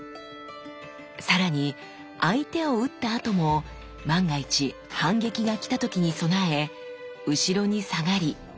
さらに相手を打ったあとも万が一反撃が来た時に備え後ろに下がり構えて注意を払うんです。